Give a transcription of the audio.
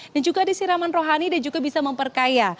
dan juga ada siraman rohani dan juga bisa memperkaya